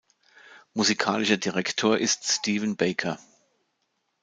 Musikalischer Direktor ist Steven Baker.